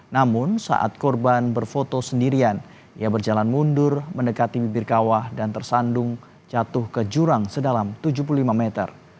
namun saat korban berfoto sendirian ia berjalan mundur mendekati bibir kawah dan tersandung jatuh ke jurang sedalam tujuh puluh lima meter